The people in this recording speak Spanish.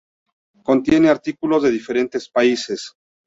Contiene artículos de diferentes países.